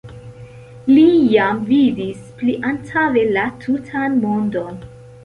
Li jam vidis pliantaŭe la tutan mondon.